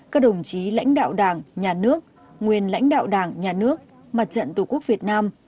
các đồng chí lãnh đạo đảng nhà nước nguyên lãnh đạo đảng nhà nước mặt trận tổ quốc việt nam